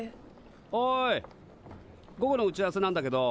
おい午後の打ち合わせなんだけど。